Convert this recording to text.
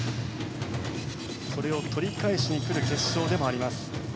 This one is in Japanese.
それを取り返しに来る決勝でもあります。